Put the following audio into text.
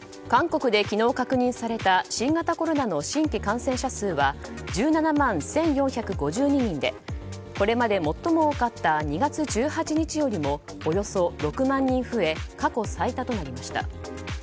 韓国で昨日、確認された新型コロナの新規感染者数は１７万１４５２人でこれまで最も多かった２月１８日よりもおよそ６万人増え過去最多となりました。